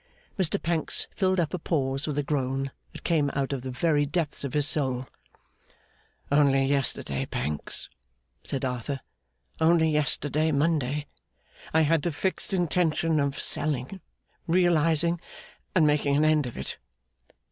Mr Pancks filled up a pause with a groan that came out of the very depths of his soul. 'Only yesterday, Pancks,' said Arthur; 'only yesterday, Monday, I had the fixed intention of selling, realising, and making an end of it.